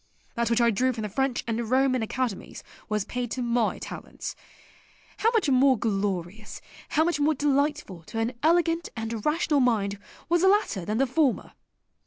That which I drew from the French and Roman academies was paid to my talents. How much more glorious, how much more delightful to an elegant and rational mind was the latter than the former!